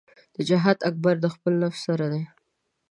جهاد اکبر د خپل نفس سره دی .